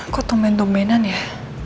kok tumben tumbenan ya